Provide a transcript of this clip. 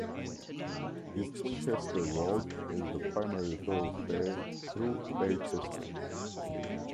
Eastchester Road is the primary thoroughfare through Baychester.